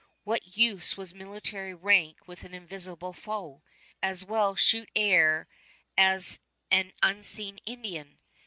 What use was military rank with an invisible foe? As well shoot air as an unseen Indian!